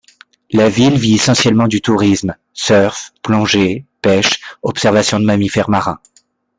La ville vit essentiellement du tourisme: surf, plongée, pêche, observation de mammifères marins.